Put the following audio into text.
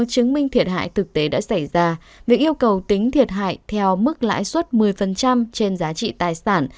chứng minh thiệt hại thực tế đã xảy ra việc yêu cầu tính thiệt hại theo mức lãi suất một mươi trên giá trị tài sản